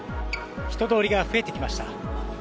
人通りが増えてきました。